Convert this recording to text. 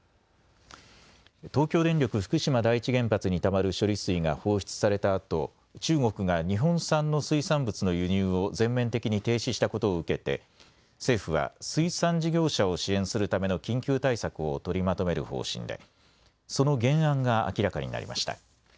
東京電力福島第一原発にたまる処理水が放出されたあと中国が日本産の水産物の輸入を全面的に停止したことを受けて政府は水産事業者を支援するための緊急対策を取りまとめる方針でその原案が明らかになりました。